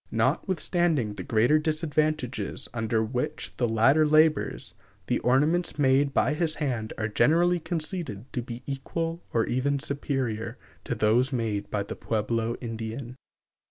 Notwithstanding the greater disadvantages under which the latter labors, the ornaments made by his hand are generally conceded to be equal or even superior to those made by the Pueblo Indian.